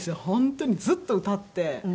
本当にずっと歌って。